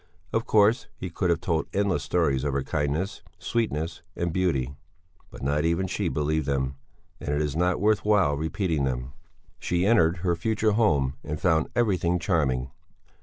Of course he could have told endless stories of her kindness, sweetness, and beauty; but not even she believed them, and it is not worth while repeating them. She entered her future home and found everything charming.